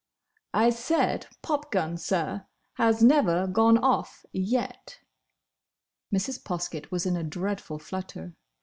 "I said popgun, sir!—has never gone off, yet!" Mrs. Poskett was in a dreadful flutter.